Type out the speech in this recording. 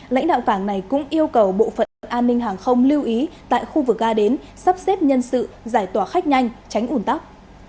lãnh đạo cảng này cũng yêu cầu bộ phận an ninh hàng không lưu ý tại khu vực ga đến sắp xếp nhân sự giải tỏa khách nhanh tránh ủn tắc